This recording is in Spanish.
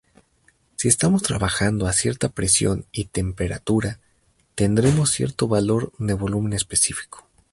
Si estamos trabajando a cierta presión y temperatura, tendremos cierto valor de volumen específico.